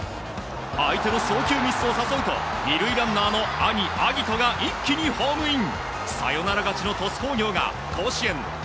相手の送球ミスを誘うと２塁ランナーの兄・晶音が一気にホームイン。